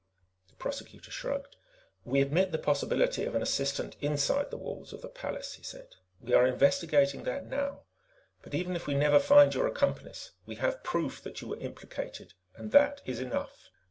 The Prosecutor shrugged. "We admit the possibility of an assistant inside the walls of the palace," he said. "We are investigating that now. But even if we never find your accomplice, we have proof that you were implicated, and that is enough."